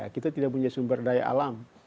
kita tidak punya sumber daya alam